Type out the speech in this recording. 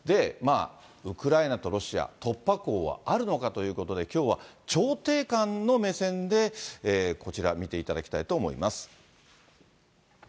ウクライナとロシア、突破口はあるのかということで、きょうは調停官の目線で、こちら、見ていただきたいと思います。